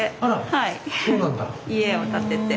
はい。